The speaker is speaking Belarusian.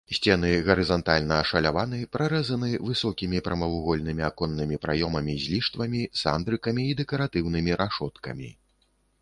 Сцены гарызантальна ашаляваны, прарэзаны высокімі прамавугольнымі аконнымі праёмамі з ліштвамі, сандрыкамі і дэкаратыўнымі рашоткамі.